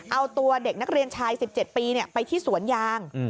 เอาตัวเด็กนักเรียนชาย๑๗ปีไปที่สวนยาง